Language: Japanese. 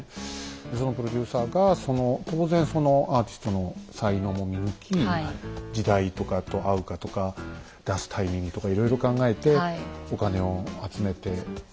そのプロデューサーが当然そのアーティストの才能も見抜き時代とかと合うかとか出すタイミングとかいろいろ考えてお金を集めてやるっていうのね